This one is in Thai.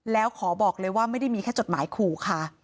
แล้วขอบอกเลยว่าไม่ได้มีแค่จดหมายขู่ค่ะ